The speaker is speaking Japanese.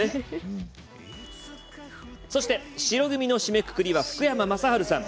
そして、白組の締めくくりは福山雅治さん。